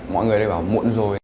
mọi người đã bảo muộn rồi